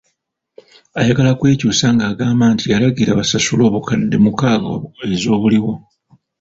Ayagala kwekyusa ng’agamba nti yalagira basasule obukadde mukaaga ez’obuliwo.